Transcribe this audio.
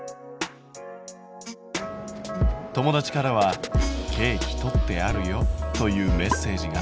友達からは「ケーキとってあるよ」というメッセージが。